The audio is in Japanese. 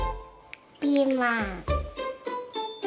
ピーマン。